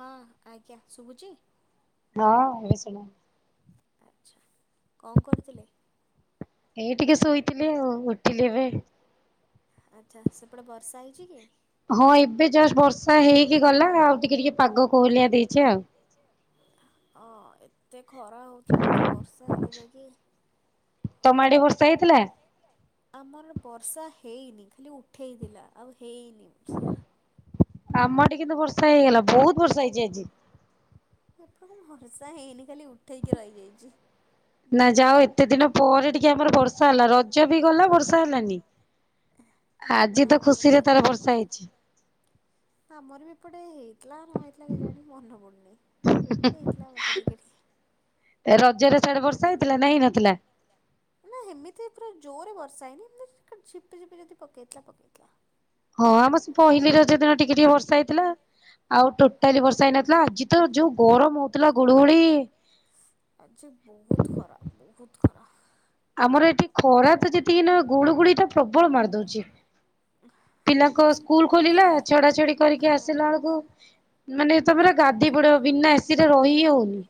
ହଁ ଆଜ୍ଞା ଶୁବୁଛି? ହଁ ଏବେ ଶୁଣା। [unintelligible] କଣ କରୁଥିଲେ? ଏଇ ଟିକେ ଶୋଇଥିଲି ଆଉ ଉଠିଲି ଏବେ। ଆଚ୍ଛା ସେପଟେ ବର୍ଷା ହେଇଛି କି? ହଁ ଏବେ ଜଷ୍ଟ ବର୍ଷା ହେଇକି ଗଲା ଆଉ ଟିକେ ଟିକେ ପାଗ କୋହୋଲିଆ ଦେଇଛି ଆଉ। ଅଁ ଏତେ ଖରା ହଉଛି ଟିକେ ବର୍ଷା ହେଲେ ଯାଇକି ତମ ଆଡ଼େ ବର୍ଷା ହେଇଥିଲା? ଆମର ବର୍ଷା ହେଇନି ଖାଲି ଉଠେଇଥିଲା ଆଉ ହେଇନି ବର୍ଷା। ଆମ ଠି କିନ୍ତୁ ବର୍ଷା ହେଇଗଲା ବୋହୁତ ବର୍ଷା ହେଇଛି ଆଜି। [unintelligible] ବର୍ଷା ହେଇନି ଖାଲି ଉଠେଇକି ରହିଯାଇଛି। ନା ଯାହା ହେଉ ଏତେ ଦିନ ପରେ ଟିକେ ଆମର ବର୍ଷା ହେଲା। ରଜ ବି ଗଲା ବର୍ଷା ହେଲାନି। [unintelligible] ନା ଆମର ବୋଧେ ଆମର ବି ଏପଟେ ହେଇ ଲା ନ ହେଇଥିଲା କେଜାଣି ମନେ ପଡ଼ୁନି ହେଇଥିଲା ବୋଧେ ଟିକେ ଟିକେ। ଆ ରଜରେ ସିଆଡ଼େ ବର୍ଷା ହେଇଥିଲା ନା ହେଇ ନଥିଲା? ଆ ହେମିତି ପୁରା ଜୋରରେ ବର୍ଷା ହେଇନି ଏମିତି ଖାଲି ଝିପ ଝିପି ଯଦି ପକେଇଥିଲା ପକେଇଥିଲା। ହଁ ଆମର ସେ ପହିଲି ରଜ ଦିନ ଟିକେ ଟିକେ ବର୍ଷା ହେଇଥିଲା ଆଉ ଟୋଟାଲି ବର୍ଷା ହେଇନଥିଲା ଆଜି ତ ଯୋଉ ଗରମ ହଉଥିଲା ଗୁଳୁଗୁଳି। ଆଜି ବୋହୁତ ଖରା ବୋହୁତ ଖରା। ଆମର ଏଠି ଖରା ତ ଯେତିକି ନା ଗୁଳୁ ଗୁଳିଟା ପ୍ରବଳ ମାରି ଦୋଉଛି। [unintelligible] ପିଲାଙ୍କ ସ୍କୁଲ ଖୋଲିଲା ଛଡ଼ା ଛଡି଼କରିକି ଆସିଲା ବେଳକୁ ମାନେ ତମେ ପୁରା ଗାଧେଇ ପଡ଼ିବ ବିନା ଏସିି ରହିି ହି ହୋଉନି।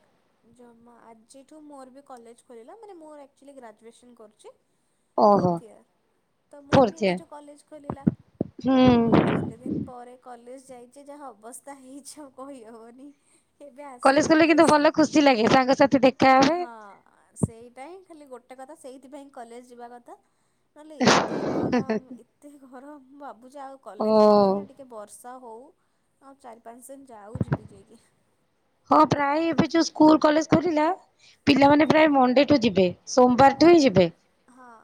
ଜମା ଆଜିଠୁ ମୋର ବି କଲେଜ ଖୋଲିଲା ମାନେ ମୋର ଏକ୍ଚୁଲି ଗ୍ରାଜୁଏସନ କରୁଛି। ଫୋର୍ଥ ଇୟର ତ ମୋର ବି ଆଜିଠୁ କଲେଜ ଖୋଲିଲା ମୁଁ ଆଜି ଏ ତେ ଦିନ ପରେ କଲେଜ ଯାଇଛି। ଯାହା ଅବସ୍ଥା ହେଇଛି ଆଉ କହିହବନି। ଏବେ ଆସିକି ଗୋଟେ ଏସ୍‌ ଏ ସାଙ୍ଗ ସାଥି ଦେଖ୍ ହଁ ସେଇଟା ହିଁ ଖାଲି ଗୋଟେ କଥା ସେଇଥିପାଇଁ କଲେଜ ଯିବା କଥା। ନହେଲେ ଏତେ ଗରମ ଏତେ ଗରମ ମୁଁ ଭାବୁଛି ଆଉ କଲେଜ ଯିବିନି ହେଟି ତେ ବର୍ଷା ହଉ ଆଉ ଚାରି ପାଞ୍ଚ ଦିନ ଯାଉ ଯିବି ଯାଇକି। ହଁ ପ୍ରାୟ ଏବେ ଯୋ ସ୍କୁଲ କଲେଜ ଖୋଲିଲା ପିଲା ପିଲାମାନେ ପ୍ରାୟ ମଣ୍ଡେ ଠୁ ଯିବେ। ସୋମବାରଠୁ ହିଁ ଯିବେ। ହଁ।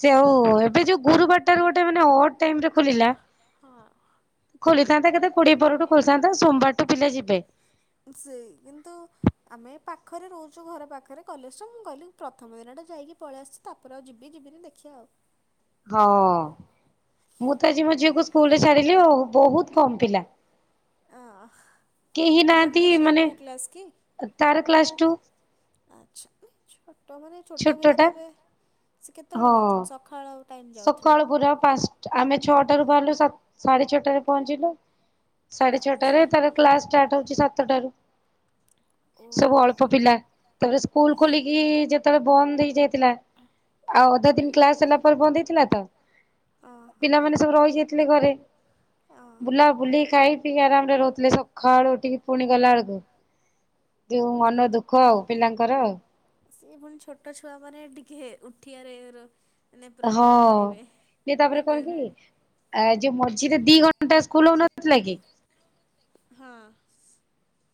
ସେ ଆଉ ଅ ଏବେ ଯୋଉ ଗୁରୁବାର ଟାରେ ଗୋଟେ ମାନେ ଅଡ୍‌ ଟାଇମ୍ ରେ ଖୋଲିଲା। ଖୋଲିଥାନ୍ତା କେତେ କୋଡ଼ିଏ ପରଠୁ ଖୋଲିଥାନ୍ତା ସୋମବାରଠୁ ପିଲା ଯିବେ। ଉଁ ସେଇ କିନ୍ତୁ ଆମେ ପାଖରେ ରହୁଛୁ। ଘର ପାଖରେ କଲେଜ ତ ମୁଁ କହିଲି ପ୍ରଥମ ଦିନଟା ଯାଇକି ପଳେଇ ଆସ୍ ତାପରେ ଆଉ ଜିବି ଜିବିନି ଦେଖିବା ଆଉ। ହଁ। ମୁଁ ତ ଆଜି ମୋ ଝିଅକୁ ସ୍କୁଲରେ ଛାଡ଼ିଲି, ବହୁତ୍ କମ୍ ପିଲା। ଆଁ-ଆଁ ଆପଣଙ୍କ ଝିଅ କୋଉ କ୍ଲାସ କି? ଆଚ୍ଛା, ଏ ଛୋଟ ମାନେ ଛୋଟ ପିଲା ତ ଏବେ ସେ କେତେବେଳେ ଯାଉଛନ୍ତି? ସଖାଳ ସକାଳ ପୁରା ପାଞ୍ଚଟା ଆମେ ଛଅଟାରୁ ବାହାରିଲୁ ସ ସାଢ଼େ ଛଅଟାରେ ପହଞ୍ଚିଲୁ। ସାଢ଼େ ଛଅଟାରେ ତାର କ୍ଲାସ୍ ଷ୍ଟାର୍ଟ ହଉଛି ସାତଟାରୁ। ସବୁ ଅଳ୍ପ ପିଲା ତାପରେ ସ୍କୁଲ ଖୋଲିକି ଯେତବେଳେ ବନ୍ଦ ହେଇଯାଏ ପିଲା, ଆଉ ଅଧା ଦିନ କ୍ଲାସ ହେଲା। ବନ୍ଦ ହେଇଥିଲା ତ, ପିଲାମାନେ ସବୁ ରହି ଯାଇଥିଲେ ଘରେ। ବୁଲାବୁଲିି ଖାଇ ପିଇ ଆରାମରେ ରହୁଥିଲେ। ସଖାଳୁ ଉଠିକି ପୁଣି ଗଲା ବେଳକୁ ଯୋଉ ମନ ଦୁଃଖ ଆଉ ପିଲାଙ୍କର। ସେ ପୁଣି ଛୋଟ ଛୁଆମାନେ ଟିକେ ଉଠିବାରେ ର ହଁଅ-ଅ ଏ ତାପରେ କଣ କି? ଆ ଯୋଉ ମଝିରେ ଦି ଘଣ୍ଟା ସ୍କୁଲ ହଉନଥିଲା କି? ହଁ।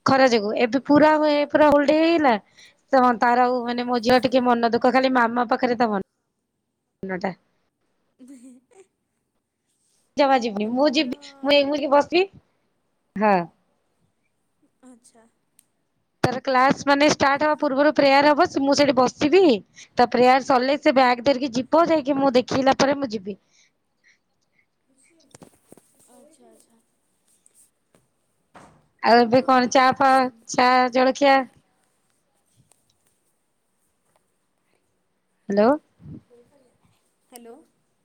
ଖରା ଯୋଗୁ, ଏବେ ପୁରା ହୁଏ ପୁରା ଉଲ୍ଟେ ହେଇଲା। ତ ତାର ଆଉ ମାନେ ମୋ ଝିଅ ଟିକେ ମନ ଦୁଃଖ ଖାଲି ମାମା ପାଖରେ ତ ମନ-ଟା। [unintelligible] ଜମା ଯିବୁନି ମୁଁ ଯିବି ମୁଁ ଏଇ ମୁଁ ଟିକେ ବସିବି ହଁ। ଆଚ୍ଛା। ତାର କ୍ଲାସ ମାନେ ଷ୍ଟାର୍ଟ ହବା ପୂର୍ବରୁ ପ୍ରେୟାର ହବ। ମୁଁ ସେଇଠି ବସିବି ତା ପ୍ରେୟାର ସରିଲେ ସେ ବ୍ୟାଗ ଧରିକି ଯିବ। ଯାଇକି ମୁଁ ଦେଖିଲା ପରେ ମୁଁ ଯିବି। ଆଚ୍ଛା ଆଚ୍ଛା। ଆଉ ଏବେ କଣ ଚାଆ ଫାଆ ଚାଆ ଜଳଖିଆ? ହ୍ୟାଲୋ? ହ୍ୟାଲୋ।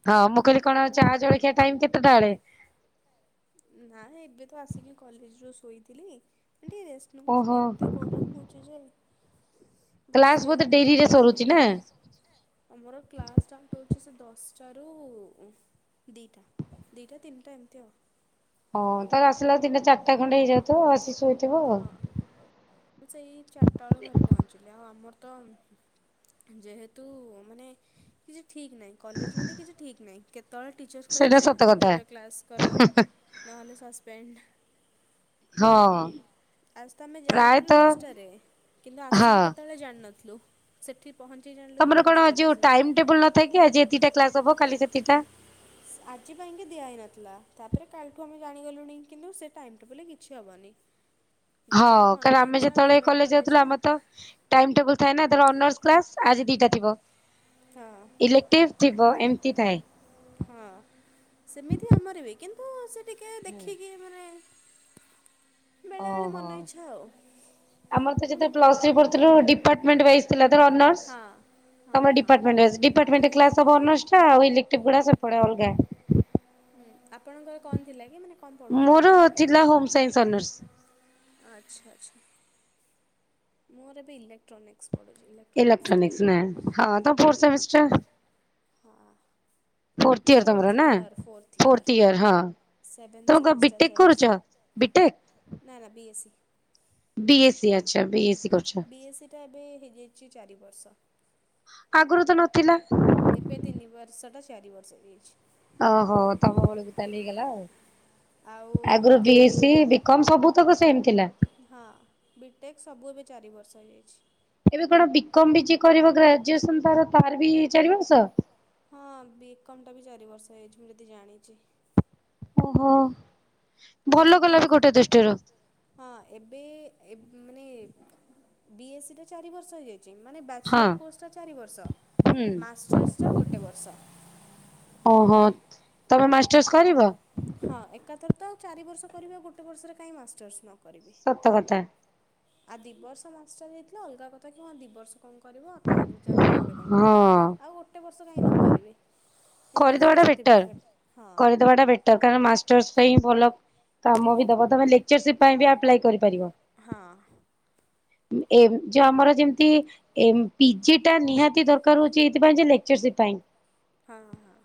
ହଁ ମୁଁ କହିଲି କଣ ଚାହା ଜଳଖିଆ ଟାଇମ୍ କେତେଟା ବେଳେ? ନା ଏବେ ତ ଆସିକି କଲେଜରୁ ଶୋଇଥିଲି, ମାନେ ଟିକେ ରେଷ୍ଟ୍ ନେଉଥିଲି, ଏତେ ଗରମ ହଉ ହଉଛି ଯେ ବସି ହଉନି। ଆମର କ୍ଲାସ ଷ୍ଟାର୍ଟ ହଉଛି ସେ ଦଶଟାରୁ ଉଁ ଦିଟା, ଦିଟା ତିନିଟା ଏମିତି ଆଉ। ହଁ ତାହେଲେ ଆସିଲା ବେଳକୁ ତିନିଟା ଚାରିଟା ଖଣ୍ଡେ ହେଇଯାଉଥିବ। ଆସି ଶୋଇଥିବ ଆଉ। ମୁଁ ସେଇ ଚାରିଟା ବେଳୁ ଘରେ ପହଞ୍ଚିଲି, ଆଉ ଆମର ତ ଯେହେତୁ ମାନେ କିଛି ଠିକ୍ ନାହିଁ କଲେଜ ମାନେ କିଛି ଠିକ୍ ନାହିଁ। କେତେବେଳେ ଟିଚର୍ସଙ୍କ ଇଚ୍ଛା ଏବେ କ୍ଲାସ କର, ନହେଲେ ସସପେଣ୍ଡ୍। ହଁ। ଆଜି ତ ଆମେ ଯାଇଥିଲୁ ଦଶଟାରେ, କିନ୍ତୁ ଆସିବୁ କେତେବେଳେ ଜାଣି ନଥିଲୁ, ସେଠି ପହଞ୍ଚି ଜାଣିଲୁ କି ଆମେ ଦଶଟାରେ ଆସିବୁ। ଥାଏ କି ଆଜି ଏତିକିଟା କ୍ଲାସ ହବ କାଲି ସେତିକିଟା। ଆଜି ପାଇଁ କି ଦିଆ ହେଇନଥିଲା, ତାପରେ କାଲିଠୁ ଆମେ ଜାଣିଗଲୁଣି କିନ୍ତୁ ସେ ଟାଇମ୍ ଟେବୁଲରେ କିଛି ହବନି। ହଁଅ-ଅ କାର ଆମେ ଯେତେବେଳେ କଲେଜ ଯାଉଥୁଲୁ ଆମେ ତ ଟାଇମ୍ ଟେବୁଲ ଥାଏ ନା, ଧର ଅନର୍ସ କ୍ଲାସ ଆଜି ଦିଟା ଥିବ। ହଁ। ଇଲେକ୍ଟିଭ ଥିବ, ଏମିତି ଥାଏ। ହଁ ସେମିତି ଆମର ବି, କିନ୍ତୁ ସେ ଟିକେ ଦେଖିକି ଏ ମୋର ଏ ଓହୋ, ଆମର ତ ଯେତେ ପ୍ଲସ୍ ଥ୍ରୀ ପଢୁ ଥିଲୁ, ଡିପାର୍ଟମେଣ୍ଟ ବାଇଜ୍ ଥିଲା ଧର ଅର୍ନସ୍ ତୋମର department wise, department class ହବ ଅର୍ନସ୍ ଟା ଆଉ ଇଲେକଟିଭ୍ ଗୁଡ଼ା ସେପଟେ ଅଲଗା। ହୁଁ, ଆପଣଙ୍କର କଣ ଥିଲା କି? ମାନେ ମୋର ଥିଲା ହୋମ ସାଇନ୍ସ ଅନର୍ସ। ଆଚ୍ଛା, ଆଚ୍ଛା। ମୋର ଏବେ ଇଲେକ୍ଟ୍ରୋନିକ୍ସ ପଢୁଛି, ଇଲେକ୍ ଟ୍ରନିକ୍ସ ଟେଲିିକମ୍ ହଁ। Fourth year fourth year. Seven semester ଚାାଇଛି, ନା ନା ବିଏସି। ବିଏସି ଆଚ୍ଛା ବିଏସି। ବିଏସି ଟା ଏବେ ହେଇଯାଇଛି ଚାରି ବର୍ଷ। ଆଗୁରୁ ତ ନଥିଲା? ଏବେ ତିନି ବର୍ଷଟା ଚାରି ବର୍ଷ ଏଇଏଇଛି। ଓହୋ, ତୋମ ବେଳକୁ ତାଲେ ହେଇଗଲା ଆଉ। ଆଗରୁ ବିଏସି, ବିକମ୍ ସବୁ ତକ ସେମ୍ ଥିଲା। ହଁ ବିଟେକ୍ ସବୁ ଏବେ ଚାରି ବର୍ଷ ହେଇଯାଇଛି। ଏବେ କଣ ବିକମ୍ ବି ଯିଏ କରିବ ଗ୍ରାଜୁଏସନ୍ ତାର ତାର ବି ଚାରି ବର୍ଷ? ହଁ ବକମ୍ ଟା ବି ଚାରି ବର୍ଷ ହେଇଛି ମୁଁ ଯଦି ଜାଣିଛି। ଓହୋ! ଆଉ ମାନେ ମୋ ହଁ ଏବେ ଏ ମାନେ ବିଏସି ଟା ଚାରି ବର୍ଷ ହେଇଯାଇ ଚି, ମାନେ ବ୍ୟାଚଲର୍ କୋର୍ସ ଟା ଚାରିବର୍ଷ ମାଷ୍ଟର୍ସ ଟା ଗୋଟେ ବର୍ଷ। ଓହୋ, ତୋମେ ମାଷ୍ଟର୍ସ କରିବ? ହଁ ଏକାଥରେ ତ ଆଉ ଚାରି ବର୍ଷ କରିବି ଆଉ ଗୋଟେ ବର୍ଷରେ କାହିଁ ମାଷ୍ଟର୍ସ ନ କରିବି। ସତ କଥା। ଆ ଦିିବର୍ଷ ମାଷ୍ଟର ହେଇଥିଲେ ଅଲଗା କଥା କି ହଁ ଦି ବର୍ଷ କଣ କରିବ, ତା ଜାଗାରେ ଆଉ ଗୋଟେ କଣ କରିବ, ଆଉ ଗୋଟେ ବର୍ଷ କାହିଁ ନ କରିବି। କରିଦବା ଟା ବେଟର୍, କରିଦବା ଟା ବେ ଟର୍ କାରଣ ମାଷ୍ଟର୍ସ ପାଇଁ ଭଲ କାମ ବି ଦବ, ତୋମେ ଲେକ୍ଚରସିପ୍ ପାଇଁ ବି ଆପ୍ଲା ଏ କରିପାରିବ, ଉଁ, ଏ ଯୋଉ ଆମର ଯେମିତି ଏ ପିଜି ଟା ନିହାତି ଦରକାର ହଉଛି ଏଇଥିପାଇଁ ଯେ ଲେକ୍ଚରସିପ୍ ପାଇଁ। ହଁ, ହଁ।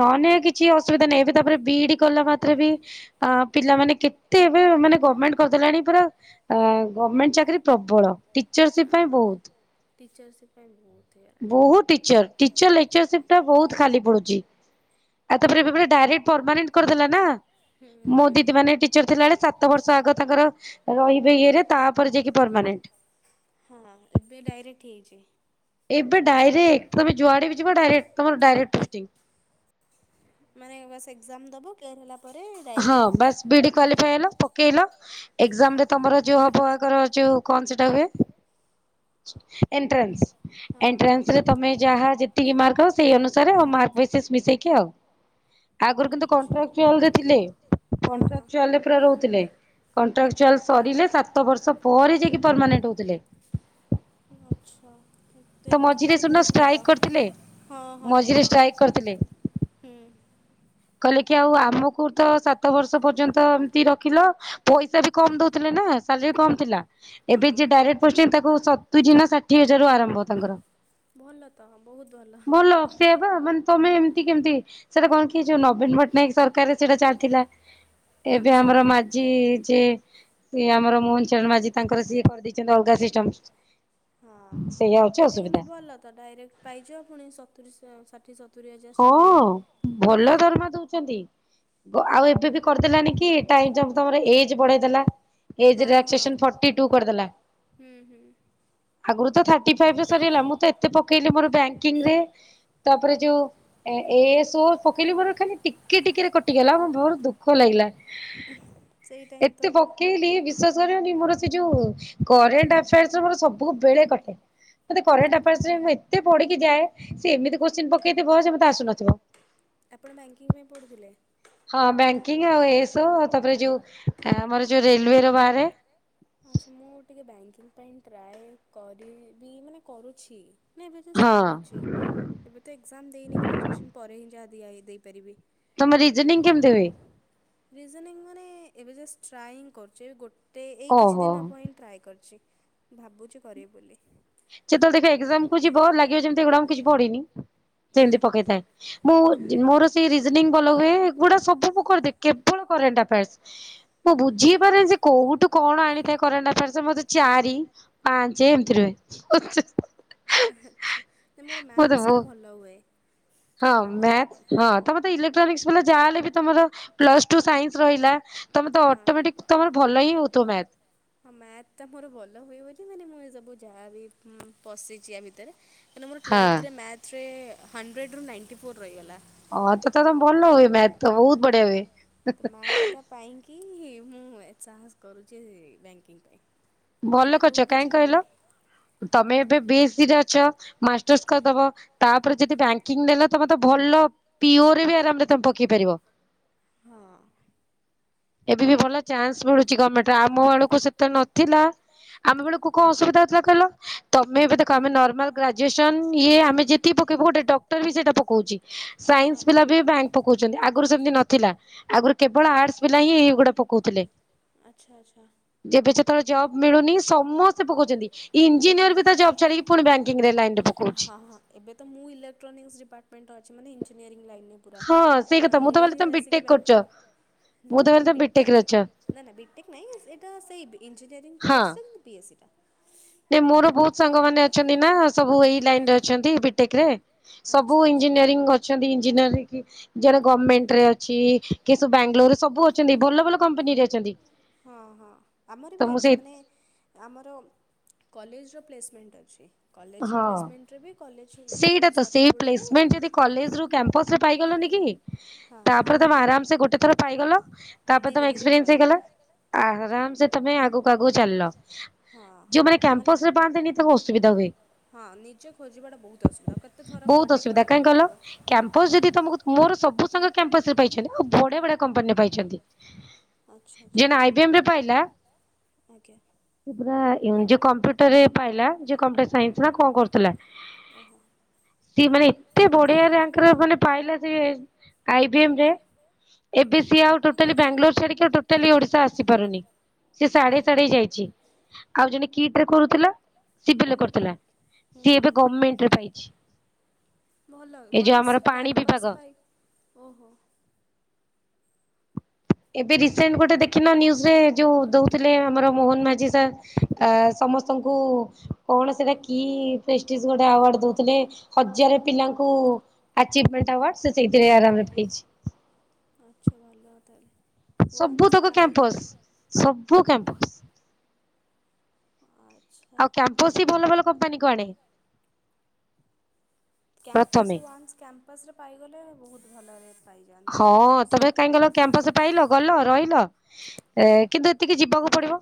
ନନେ କିଛି ଅସୁବିଧା ନାହିଁ, ଏବେ ତାପରେ ବିଇଡି କଲା ମାତ୍ରେ ବି ଅ, ପିଲାମାନେ କେତେ ଏବେ ମାନେ ଗର୍ମେଣ୍ଟ କରିଦେଲାଣି ପୁରା ଅ, ଗର୍ମେଣ୍ଟ ଚାକିରି ପ୍ରବଳ ଟିଚରସିପ୍ ପାଇଁ ବହୁତ। ଟିଚରସିପ୍ ପାଇଁ ବହୁତ ହେଇଆ ବହୁତ ଟିଚର୍ ଟିଚର୍ ଲେକ୍ଚରସିପ୍ ଟା ବହୁତ ଖାଲି ପଡୁଛି। ଆଉ ତାପରେ ଏବେ ପୁରା ଡାଇରେକ୍ଟ ପରମାନେଣ୍ଟ କରିଦେଲା ନା। ମୋ ଦିଦି ମାନେ ଟିଚର୍ ଥିଲା ବେଳେ ସାତ ବର୍ଷ ଆଗ ତାଙ୍କର ରହିବେ ଇଏରେ ତାପରେ ଯାଇକି ପରମାନେଣ୍ଟ। ହଁ ଏବେ ଡାଇରେକ୍ଟ ହେଇଛି। ଏବେ ଡାଇରେକ୍ଟ ତୋମେ ଯୁଆଡେ ବି ଯିବ ଡାଇରେକ୍ଟ ତୋମର ଡାଇରେକ୍ଟ ପୋଷ୍ଟିଂ। ମାନେ ବାସ୍ ଏକ୍ସାମ ଦବ କ୍ଲିୟର ହେଲା ହଁ ବାସ୍ ବି ଡ଼ି କ୍ୱଵାଲିଫାଏ ହେଲ ପକେଇଲ ଏକ୍ଜାମ୍ରରେ ତମର ଯୋଉ ହେବ ଏକର ଯୋଉ କଣ ସେଟା ହୁଏ ଏଣ୍ଟ୍ରସ ଏଣ୍ଟ୍ରାସ ରେ ତମେ ଯାହା ଜେତିକି ମାର୍କ ହ ସେଇ ଅନୁସାରେ ଆଉ ମାର୍କ ବେସିସ୍ ମିଶେଇକି ଆଉ। ଆଗରୁ କିନ୍ତ କଣ୍ଟ୍ରାଚୁଆଲ ରେ ଥିଲେ କଣ୍ଟ୍ରାଚୁଆଲ ରେ ପୁରା ରହୁଥିଲେ। କଣ୍ଟ୍ରାକ୍ଚୁଆଲ ସରିଲେ ସାତ ବର୍ଷ ପରେ ଯାଇକି ପରମାନେଣ୍ଟ ହଉଥିଲେ। ଆଚ୍ଛା ତେବେ ତ ତାହେଲେ ବହୁତ ଭଲ। ହଁ ହଁ ହଁ ହୁଁ। କହିଲେ କି ଆଉ ଆମକୁ ତ ସାତ ବର୍ଷ ପର୍ଯ୍ୟନ୍ତ ଏମତି ରଖିଲ ପଇସା ବି କମ୍ ଦଉଥିଲେ ନା ସାଲରୀ କମ୍ ଥିଲା। ଏବେ ଯିଏ ଡାଇରେକ୍ଟ ପୋଷ୍ଟିଙ୍ଗ ତାକୁ ସତୁ ଯି ନା ଷାଠିଏ ହଜାର ରୁ ଆରମ୍ଭ ତାଙ୍କର। ଭଲ ତ ହ ବହୁତ୍ ଭଲ। ଭଲ ସେୟାବା ମାନେ ତମେ ଏମିତି କେମିତି ସେଟା କଣ କି ଯୋଉ ନବୀନ ପଟ୍ଟନାୟକ ସରକାରରେ ସେଇଟା ଚାଲିଥିଲା ଏବେ ଆମର ମା ଝି ଯେ ଏ ଆମର ମୋହନ ଚରଣ ମାଝୀ ତାଙ୍କର ସିଏ କରିଦେଇଚନ୍ତି ଅଲଗା ସିଷ୍ଟମ୍। ହଁ ଏଇଟା କିନ୍ତୁ ଭଲ ତ ଡାଇରେକ୍ଟ ପାଇଛ ପୁଣି ସତୁରିଶ ଷାଠିଏ ସ ହଁ ଭଲ ଦରମା ଦଉଚନ୍ତି। କୋ ଆଉ ଏବେ ବି କରିଦେଲାନି କି ଟାଇ ଜମ୍ ତମର ଏଜ୍ ବଢେଇ ଦେଲା। ଏଜ୍ ରିଆସେସନ ଫର୍ଟି ଟୁ କରିଦେଲା। ଆଗରୁ ତ ଥାଟି ଫାଇପ ରେ ସରିଗଲା ମୁଁ ତ ଏତ ପକେଇଲି ମୋର ବ୍ଯାଙ୍କିଙ୍ଗ ରେ ତାପରେ ଯୋଉ ଏ ଏୟା ସୋ ପକେଇଲିି ମୋର ଖାଲି ଟିକେ ଟିକେରେ କଟିଗଲା ମୋ ଭୋରୁ ଦୁଃଖ ଲାଗିଲା। ଏତେ ବ ପକେଇଲି ବିଶ୍ବାସ କରିବନି ମୋର ସେ ଯୋଉ କରେଣ୍ଟଏଫାର୍ ସ ମୋର ସବୁ ବେଳେ କଟେ। ମତେ କରେଣ୍ଟଅଫେୟାରସ୍ ରେ ମୁଁ ଏତେ ପଢିକି ଯାଏ ସେ ଏମିତି କୋଶ୍ଚିନ୍ ପକେଇଥିବ ସେ ମତେ ଆସୁନଥିବ। ଆପଣ ବ୍ୟାଙ୍କିଙ୍ଗ୍ ପାଇଁ ପଢୁଥିଲେ? ହଁ ବ୍ୟାଙ୍କିଙ୍ଗ ଆଉ ଏ ଏସ ଓ ଆଉ ତାପରେ ଯୋଉ ଆମର ଯୋଉ ରେଲୱେ ର ବାହାରେ। ଆଚ୍ଛା ମୁଁ ଟିକେ ବ୍ୟାଙ୍କିଙ୍ଗ ପାଇଁ ଟ୍ରାଏ କରିବି ମାନେ କରୁଛି। ନାଁ ଏବେ ଜଷ୍ଟ ପଢ଼ୁଛି ଏବେ ତ ଏକ୍ଜାମ ଦେଇନି ଗ୍ରାଜୁଏସନ୍ ପରେ ହିଁ ଯାହା ଦିଆ ହେ ଦେଇପାରିବି। ତମ ରିଜନିଂ କେମିତି ହୁଏ? ରିଜେନିଂ ମାନେ ଏବେ ଜଷ୍ଟ ଟ୍ରାଏ ହିଁ କରୁଚି ଏବେ ଗୋଟେ ଏ କିଛି ଦିନ ହେବ ହିଁ ଟ୍ରାଏ କରିଚି ଭାବୁଚି କରିବି ବୋଲି। ଯେତେବେଳେ ଦେଖିବ ଏକ୍ଜାମ୍ କୁ ଯିବ ଲାଗିବ ଯେମିତି ଏଗୁଡା ମୁଁ କିଛି ପଢିନି ସେମିତି ପକେଇଥାଏ। ମୁଁ ଯି ମୋର ସେଇ ରିଜନିଂ ଭଲ ହୁଏ ଏଗୁଡା ସବୁ ମୁଁ କରିଦେବୀ କେବଳ କରେଣ୍ଟଆଫେଆର୍ସ। ମୁଁ ବୁଝି ପାରେନି ଯେ କୋଉଠୁ କଣ ଆଣିଥାଏ କରେଣ୍ଫ ଆଫେଆର୍ସ ମତେ ଚାରି ପାଞ୍ଚ ଏମିତି ରୁହେ। ଆଛା ତେ ମୋର ମ୍ୟାକ୍ସ ଟା ଭଲ ହୁଏ। ହଁ ମ୍ୟାକ୍ସ ହଁ ତମର ତ ଇଲେକ୍ଟ୍ରୋନିକ୍ସ ହେଲେ ଯାହାଲେ ବି ତମର ପ୍ଲସ ଟୁ ସାଇନ୍ସ ରହିଲା। ତମେ ତ ଅଟୋମେଟିକ ତମର ଭଲ ହିଁ ହଉଥିବ ମ୍ୟାଥ୍। ହଁ ମ୍ୟାଥ ଟା ମୋର ଭଲ ହୁଏ ବୋଲି ମାନେ ମୁଁ ଏ ସବୁ ଯାହାବି ଉଁ ପଶିଛି ୟା ଭିତରେ। ଇନା ମୋର ଟୁଏଲ୍ଥରେ ମ୍ୟାଥ୍ର ହଣ୍ଡ୍ରେଡ଼ୁ ନାଇଣ୍ଟି ଫୋର୍ ରହିଗଲା। ଅ ତ ତର ଭଲ ହୁଏ ମ୍ୟାଥ ତ ବହୁତ ବଢିଆ ହୁଏ। ତ ମ୍ୟାଥଟା ପାଇଁକି ମୁଁ ଏ ସାହସ କରୁଛି ବ୍ୟାଙ୍କିଙ୍ଗ ପାଇଁ। ଭଲ କରିଛ କାହିଁ କହିଲ ତମେ ଏବେ ବି ଏସ୍ ସି ରେ ଅଛ ମାଷ୍ଟର୍ସ କରିଦବ ତାପରେ ଯଦି ବ୍ୟାଙ୍କିଙ୍ଗ ନେଲା ତମେ ତ ଭଲ ପିଓରେ ବି ଆରାମରେ ତମେ ପକେଇ ପାରିବ। ଏବେ ବି ଭଲ ଚାନ୍ସ ମିଳୁଛି ଗର୍ଣମେଣ୍ଟ ଆମ ବେଳକୁ ସେତେ ନଥିଲା ଆମେ ବେଳକୁ କଣ ଅସୁବିଧା ହେଉଥିଲା କହିଲ ତମେ ଏବେ ଦେଖ ଆମେ ନର୍ମାଲ ଗ୍ରାଜୁଏସନ ଇଏ ଆମେ ଯେତିକି ପକେଇବୁ ଗୋଟେ ଡକ୍ଟର ବି ସେଇଟା ସାଇନ୍ସ ପିଲାବି ବ୍ୟାଙ୍କ ପଉଛନ୍ତି ଆଗରୁ ସେମତି ନଥିଲା ଆଗରୁ କେବଳ ଆଟ୍ସ ପିଲା ହିଁ ଏହିଗୁଡା ପକଉଥିଲେ। ଆଚ୍ଛା ଆଚ୍ଛା। ଯେବେ ଯେତେବେଳେ ଜବ୍ ମିଳୁନି ସମସ୍ତେ ପକଉଛନ୍ତି ଇଞ୍ଜିନିୟର ବି ତା ଜବ୍ ଛାଡିକି ପୁଣି ବ୍ୟାଙ୍କିଙ୍ଗ ରେ ଲାଇନ୍ରରେ ପକଉଛି। ଏବେ ତ ମୁଁ ଇକ୍ଟ୍ରୋନିକସ ଡିପାର୍ମେଣ୍ଟର ଅଛି ମାନ ଞଜିନିୟଂ ଲାଇନ୍ ରେ। ପୁରା ହଁ ମୁଁ ବି ହି ଆସିକି ବ୍ୟାଙ୍କିଙ୍ଗ୍। ନା ମୁଁ ବିଟେକ୍ ନା ନା ବିଟେକ୍ ନାଇଁ ଏଇଟା ସେଇ ଇଞ୍ଜିନିୟରିଂ କୋର୍ସରେ ପିଏସି ଟା। ନାଇଁ ମୋର ବହୁତ ସାଙ୍ଗ ମାନେ ଅଛନ୍ତି ନା ସବୁ ଏଇ ଲାଇନ ରେ ଅଛନ୍ତି ବିଟେକରେ। ସବୁ ଇଞ୍ଜିନିୟରିଂ କରିଛନ୍ତି ଇଞ୍ଜିନିୟର ହେଇକି ଜାର ଗଭର୍ଣ୍ଣମେଣ୍ଟ ରେ ଅଛି କିଏ ସବୁ ବାଙ୍ଗାଲୋରରେ ସବୁ ଅ ହଁ ହଁ ଆମର ବି ଅଛି ମାନେ ଆମର କଲେଜର ପ୍ଲେସମେଣ୍ଟ ଅଛି। କଲେଜ ର ପ୍ଲେସମେଣ୍ଟରେ ବି କଲେଜ ତମର ସରିଲା ବେଳକୁ କ୍ୟାମ୍ପସ ରେ ପାଇଗଲନି କି ତାପରେ ତମେ ଆରାମସେ ଗୋଟେ ଥର ପାଇଗଲ ତାପରେ ତମେ ଏକ୍ସପିରିଏନ୍ସ ହେଇଗଲା ଆରାମସେ ତମେ ଆଗକୁ ଆଗକୁ ଚାଲିଲ। ଯୋଉମାନେ କ୍ୟାମ୍ପସ ରେ ପାଆନ୍ତିନି ତାଙ୍କୁ ଅସୁବିଧା ହୁଏ। ହଁ ନିଜେ ଖୋଜିବାଟା ବହୁତ ଅସୁବିଧା କେତେ ଥର କୁଆଡ଼େ କୁଆଡ଼େ ପକେଇବ। କ୍ୟାମ୍ପସ ଯଦି ତମକୁ ମୋର ସବୁ ସାଙ୍ଗ କ୍ୟାମ୍ପସ ରେ ପାଇଛନ୍ତି ଆଉ ବଢିଆ ବଢିଆ କମ୍ପାନୀରେ ପାଇଛନ୍ତି। ଜଣେ ଆଇ ବି ଏମ୍ ବି ପାଇଲା ସେ ପୁରା ଯେ କମ୍ପ୍ୟୁଟରରେ ପାଇଲା ଯିଏ କମ୍ପ୍ୟୁଟର ସାଇନ୍ସ ନା କଣ କରୁଥିଲା? ଓହୋ। ସିଏ ମାନେ ଏତେ ବଢିଆ ରା୍ୟାଙ୍କରେ ମାନେ ପାଇଲା ସେ ଆଇ ବି ଏମ ରେ। ଏବେ ସିଏ ଆଉ ଟୋଟାଲି ବାଙ୍ଗଲୋର ଛାଡିକି ଆଉ ଟୋଟାଲି ଓଡ଼ିଶା ଆସିପାରୁନି। ସେ ସାଢେ ସାଢେ ଯାଇଛି ଆଉ ଜଣେ କିଟ୍ ରେ କରୁଥିଲା ସିଭଲରେ କରୁଥିଲା। ସିଏ ଏବେ ଗମେଣ୍ଟ ରେ ପାଇଛି। ଭଲ ୱାନ୍ସ କ୍ୟାମ୍ପସ ପାଇ ଓହୋ! ଏବେ ରିସେଣ୍ଟ ଗୋଟେ ଦେଖିନ ନ୍ୟୁଜରେ ଯୋଉ ଦଉଥିଲେ ଆମର ମୋହନ ମାଝି ସାର୍ ଆ ସମସ୍ତଙ୍କୁ କଣ ସେଟା କି ପ୍ରେଷ୍ଟିଜ୍ ଗୋଟେ ଆୱାର୍ଡ ଦଉଥିଲେ। ହଜାର ପିଲାଙ୍କୁ ଆଚିଭମେଣ୍ଟୱାର୍ଡ ସେ ସେଇଥିରେ ଆରାମରେ ପାଇଛି। ଆଛା ଭଲ ତାହେଲେ। ସବୁ ତକ କ୍ୟାମ୍ପସ ସବୁ କ୍ୟାପ ଆଉ କ୍ୟାମ୍ପୋସ ବି ଭଲ ଭଲ କମ୍ପାନୀ କୁ ଆଣେ। କ୍ୟାମ୍ପସ ରେ ୱାନ୍ସ କ୍ୟାମ୍ପସ ରେ ପାଇଗଲେ ବହୁତ ଭଲ ରେଟ୍। ହଁ ତା ପରେ କାଇଁ କହିଲ କ୍ୟାମ୍ପସରେ ପାଇଲ ଗଲ ରହିଲ ଏ କିନ୍ତୁ ଏତିକି ଯିବାକୁ ପଡିବ।